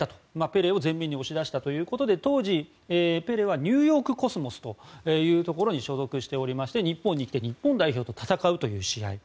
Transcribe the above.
ペレを前面に押し出したということで当時、ペレはニューヨーク・コスモスに所属しておりまして、日本に来て日本代表と戦うという試合。